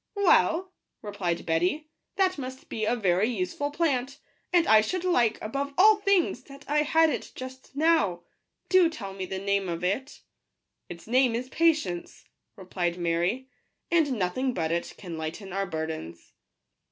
" Well," replied Betty, " that must be a very useful plant, and I should like, above all things, that I had it just now ; do tell me the name of it." " Its name is pa~ tience ," replied Mary ;" and nothing but it can lighten our burdens."